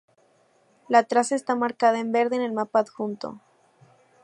La traza está marcada en verde en el mapa adjunto.